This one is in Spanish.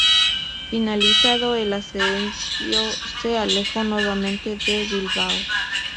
Finalizado el asedio se alejó nuevamente de Bilbao.